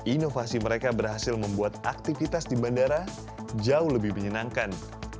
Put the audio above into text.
inovasi mereka berhasil membuat aktivitas di bandara jauh lebih menyenangkan